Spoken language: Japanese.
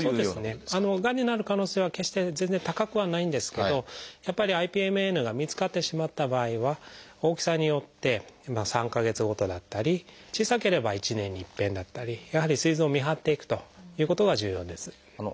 がんになる可能性は決して全然高くはないんですけどやっぱりＩＰＭＮが見つかってしまった場合は大きさによって３か月ごとだったり小さければ１年にいっぺんだったりやはりすい臓を見張っていくということが重要です。